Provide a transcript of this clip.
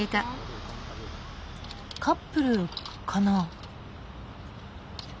カップルかな？